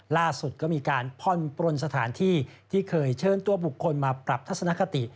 ล่าสุดก็มีการผ่อนปลนสถานที่ที่เคยเชิญตัวบุคคลมาปรับทัศนคติ